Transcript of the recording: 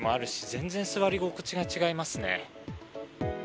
全然、座り心地が違いますね。